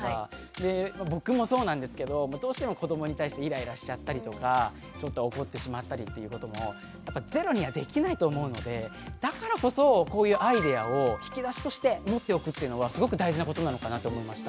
で僕もそうなんですけどどうしても子どもに対してイライラしちゃったりとかちょっと怒ってしまったりっていうこともやっぱゼロにはできないと思うのでだからこそこういうアイデアを引き出しとして持っておくっていうのはすごく大事なことなのかなと思いました。